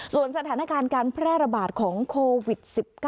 ส่วนสถานการณ์การแพร่ระบาดของโควิด๑๙